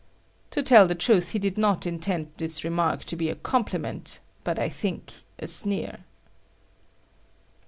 To tell the truth, he did not intend remark to be a compliment, but, I think, a sneer.